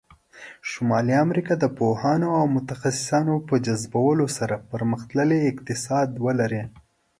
شمالي امریکا د پوهانو او متخصصانو په جذبولو سره پرمختللی اقتصاد ولری.